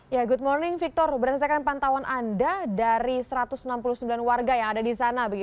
ya good morning victor berdasarkan pantauan anda dari satu ratus enam puluh sembilan warga yang ada di sana